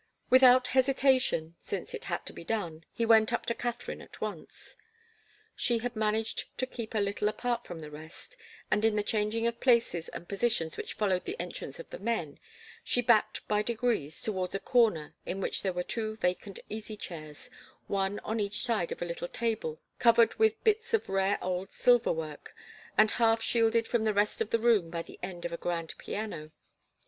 Without hesitation, since it had to be done, he went up to Katharine at once. She had managed to keep a little apart from the rest, and in the changing of places and positions which followed the entrance of the men, she backed by degrees towards a corner in which there were two vacant easy chairs, one on each side of a little table covered with bits of rare old silver work, and half shielded from the rest of the room by the end of a grand piano.